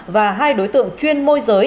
và hai đối tượng chuyên môi giới